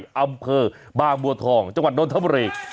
อำเภอบ้างบัวทองจังหวัดโดนธรรมเรศ